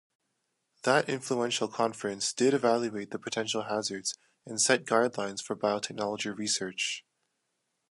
That influential conference did evaluate the potential hazards and set guidelines for biotechnology research.